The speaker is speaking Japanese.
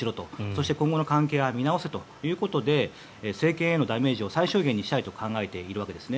そして、今後の関係は見直せということで政権へのダメージを最小限にしたいと考えているわけです。